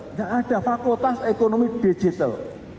nggak ada fakultas ekonomi digital